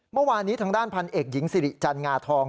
เมื่อวานนี้ทางด้านพันเอกหญิงสิริจันงาทอง